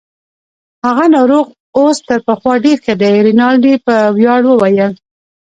هغه ناروغ اوس تر پخوا ډیر ښه دی. رینالډي په ویاړ وویل.